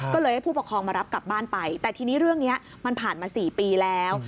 ก็เลยให้ผู้ปกครองมารับกลับบ้านไปแต่ทีนี้เรื่องนี้มันผ่านมา๔ปีแล้ว